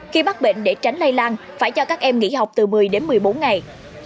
khi bắt bệnh để tránh lây lan phải cho các em nghỉ học từ một mươi đến một mươi bốn ngày